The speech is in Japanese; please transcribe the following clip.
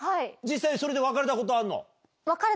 実際それで別れたことあるの？